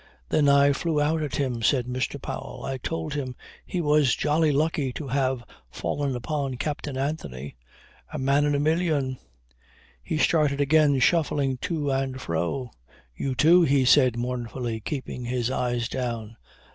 "Then I flew out at him, said Mr. Powell. I told him he was jolly lucky to have fallen upon Captain Anthony. A man in a million. He started again shuffling to and fro. "You too," he said mournfully, keeping his eyes down.